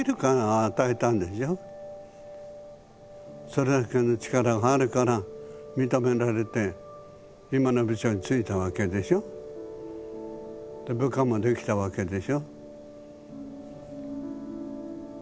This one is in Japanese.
それだけの力があるから認められて今の部署に就いたわけでしょ？で部下もできたわけでしょ？